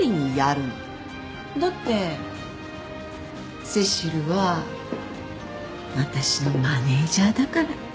だってセシルは私のマネジャーだから。